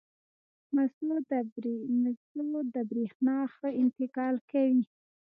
مسو د برېښنا ښه انتقال کوي.